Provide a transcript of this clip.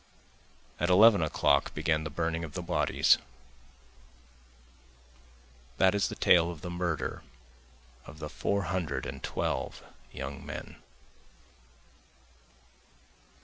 At eleven o'clock began the burning of the bodies; That is the tale of the murder of the four hundred and twelve young men.